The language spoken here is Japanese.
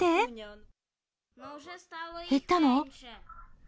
減ったの？